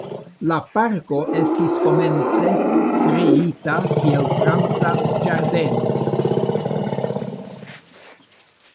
La parko estis komence kreita kiel franca ĝardeno.